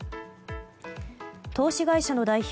投資会社の代表